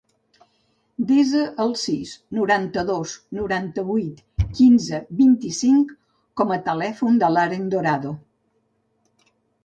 Desa el sis, noranta-dos, noranta-vuit, quinze, vint-i-cinc com a telèfon de l'Aren Dorado.